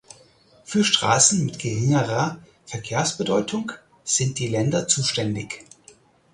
Für Straßen mit geringerer Verkehrsbedeutung sind die Länder zuständig.